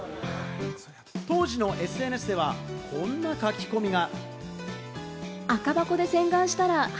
当時のＳＮＳではこんな書き込みが。